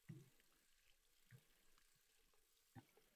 Ayol kishi bilan bahslashishning ikkita usuli bor